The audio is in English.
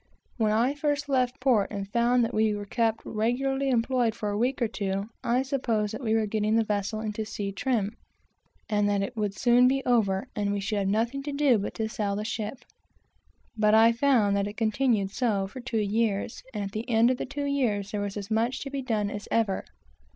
When I first left port, and found that we were kept regularly employed for a week or two, I supposed that we were getting the vessel into sea trim, and that it would soon be over, and we should have nothing to do but sail the ship; but I found that it continued so for two years, and at the end of the two years there was as much to be done as ever.